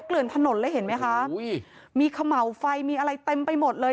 เกลือนถนนเลยเห็นไหมคะอุ้ยมีเขม่าวไฟมีอะไรเต็มไปหมดเลย